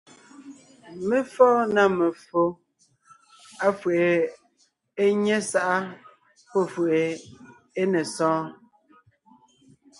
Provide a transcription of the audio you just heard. Mé fɔ́ɔn na meffo, áfʉ̀ʼ gie é nyé sáʼa pɔ́ fʉ̀ʼʉ gie é ne sɔɔn: